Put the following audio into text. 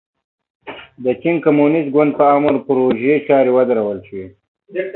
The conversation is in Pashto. د چین کمونېست ګوند په امر پروژې چارې ودرول شوې.